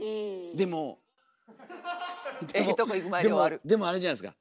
でもでもあれじゃないですか。